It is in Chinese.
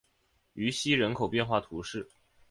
于西人口变化图示